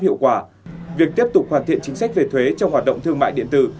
hiệu quả việc tiếp tục hoàn thiện chính sách về thuế trong hoạt động thương mại điện tử